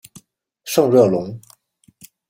圣热龙。